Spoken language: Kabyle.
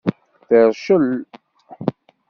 Tercel?